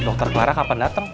dokter clara kapan dateng